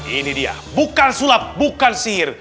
ini dia bukan sulap bukan sihir